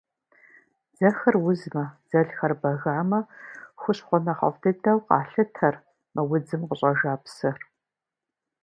Дзэхэр узмэ, дзэлхэр бэгамэ – хущхъуэ нэхъыфӏ дыдэу къалъытэр мы удзым къыщӏэжа псыр.